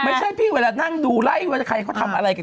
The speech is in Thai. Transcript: ไม่ใช่พี่เวลานั่งดูไล่ว่าใครเขาทำอะไรกัน